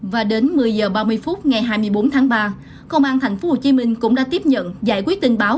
và đến một mươi h ba mươi phút ngày hai mươi bốn tháng ba công an tp hcm cũng đã tiếp nhận giải quyết tin báo